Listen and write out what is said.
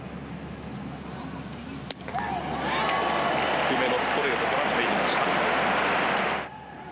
低めのストレートから入りました。